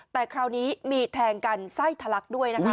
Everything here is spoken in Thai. แต่คราวนี้มีแทงกันไส้ทะลักด้วยนะคะ